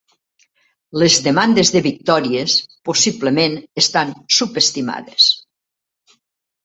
Les demandes de victòries possiblement estan subestimades.